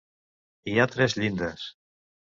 Hi ha tres llindes.